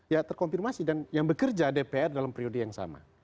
ya terkonfirmasi dan yang bekerja dpr dalam periode yang sama